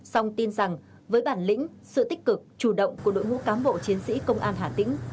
song tin rằng với bản lĩnh sự tích cực chủ động của đội ngũ cán bộ chiến sĩ công an hà tĩnh